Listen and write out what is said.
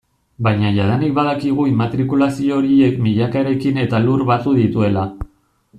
Baina jadanik badakigu immatrikulazio horiek milaka eraikin eta lur batu dituela.